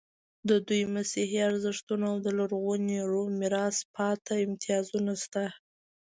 د دوی مسیحي ارزښتونه او د لرغوني روم میراث پاتې امتیازونه شته.